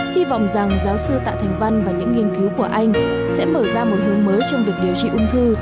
hy vọng rằng giáo sư tạ thành văn và những nghiên cứu của anh sẽ mở ra một hướng mới trong việc điều trị ung thư